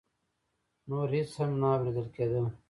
نور هېڅ هم نه اورېدل کېدل.